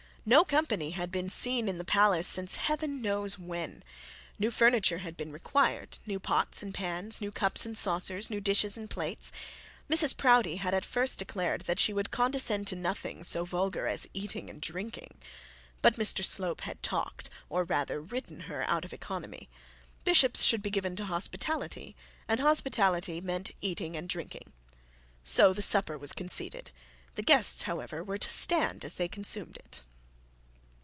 No company had been seen in the palace since heaven knows when. New furniture had been required, new pots and pans, new cups and saucers, new dishes and plates. Mrs Proudie had first declared that she would condescend to nothing so vulgar as eating and drinking; but Mr Slope had talked, or rather written her out of economy! bishops should be given to hospitality, and hospitality meant eating and drinking. So the supper was conceded; the guests, however, were to stand as they consumed it.